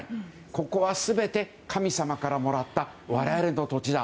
ここは全て神様からもらった我々の土地だ。